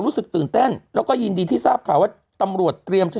รู้สึกตื่นเต้นแล้วก็ยินดีที่ทราบข่าวว่าตำรวจเตรียมจะ